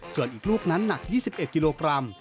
ส่วนอีกลูกนั้นหนัก๒๑กิโลกรัม